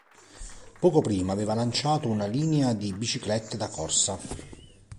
Poco prima aveva lanciato una linea di biciclette da corsa.